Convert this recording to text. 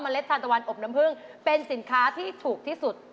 เล็ดทานตะวันอบน้ำพึ่งเป็นสินค้าที่ถูกที่สุด